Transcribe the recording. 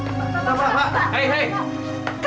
kalian wartawan apaan masuk tanpa izin